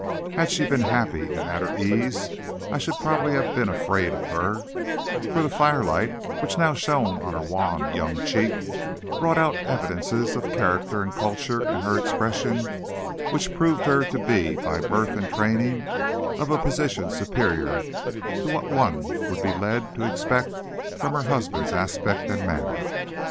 Had she been happy and at her ease, I should probably have been afraid of her, for the firelight, which now shone on her wan young cheek, brought out evidences of character and culture in her expression which proved her to be, by birth and training, of a position superior to what one would be led to expect from her husband's aspect and manner.